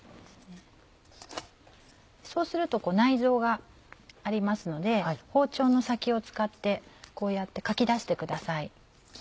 そうすると内臓がありますので包丁の先を使ってこうやってかき出してください。